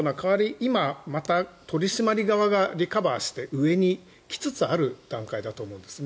今また、取り締まり側がリカバーして上に来つつある段階だと思うんですね。